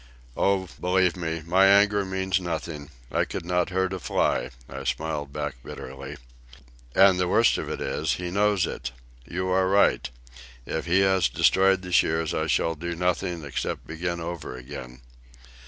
"Oh, believe me, my anger means nothing; I could not hurt a fly," I smiled back bitterly. "And the worst of it is, he knows it. You are right. If he has destroyed the shears, I shall do nothing except begin over again."